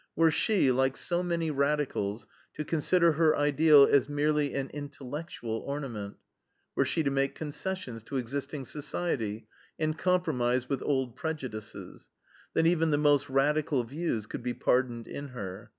Were she, like so many radicals, to consider her ideal as merely an intellectual ornament; were she to make concessions to existing society and compromise with old prejudices, then even the most radical views could be pardoned in her.